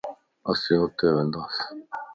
اسين اتي ونداسين